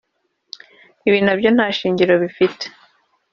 Ibi nabyo nta shingiro bifite